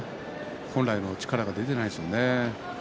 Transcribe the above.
本来の力が出ていないですものね。